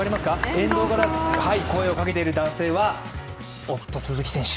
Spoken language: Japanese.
沿道から声をかけている男性は夫・鈴木選手。